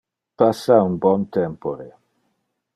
Passa un bon tempore.